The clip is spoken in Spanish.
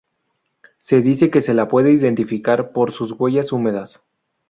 Se dice que se la puede identificar por sus huellas húmedas.